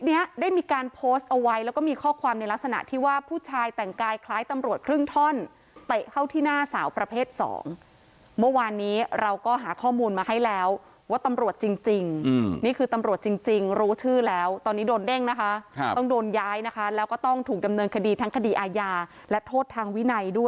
เนี้ยได้มีการโพสต์เอาไว้แล้วก็มีข้อความในลักษณะที่ว่าผู้ชายแต่งกายคล้ายตำรวจครึ่งท่อนเตะเข้าที่หน้าสาวประเภทสองเมื่อวานนี้เราก็หาข้อมูลมาให้แล้วว่าตำรวจจริงจริงนี่คือตำรวจจริงจริงรู้ชื่อแล้วตอนนี้โดนเด้งนะคะครับต้องโดนย้ายนะคะแล้วก็ต้องถูกดำเนินคดีทั้งคดีอาญาและโทษทางวินัยด้วย